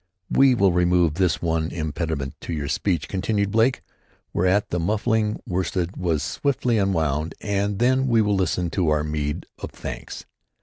"We will remove this one impediment to your speech," continued Blake, whereat the muffling worsted was swiftly unwound, "and then we will listen to our meed of thanks.